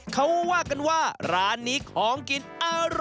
เขาว่ากันว่าร้านนี้ของกินอร่อย